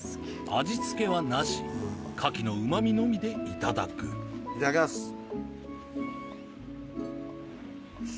味付けはなしカキのうま味のみでいただくいただきます。